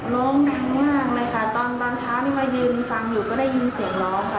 โรงทางง่างเลยค่ะตอนเช้านี้มาดื่มฟังอยู่ก็ได้ยินเสียงร้องค่ะ